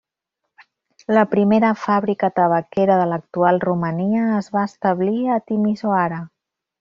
La primera fàbrica tabaquera de l'actual Romania es va establir a Timişoara.